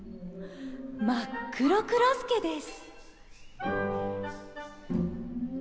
まっくろくろすけです。